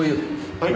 はい。